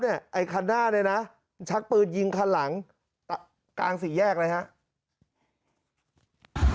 ไอ้คันหน้าชักปืนยิงคันหลังกลางสี่แยกนะครับ